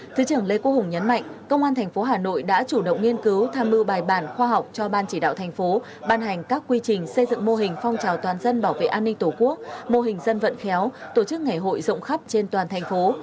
thứ trưởng lê quốc hùng nhấn mạnh công an thành phố hà nội đã chủ động nghiên cứu tham mưu bài bản khoa học cho ban chỉ đạo thành phố ban hành các quy trình xây dựng mô hình phong trào toàn dân bảo vệ an ninh tổ quốc mô hình dân vận khéo tổ chức ngày hội rộng khắp trên toàn thành phố